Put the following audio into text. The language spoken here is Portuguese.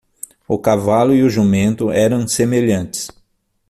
O cavalo e o jumento eram semelhantes.